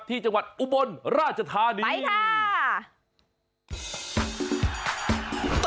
ที่จังหวัดอุบลราชธานีไปค่ะ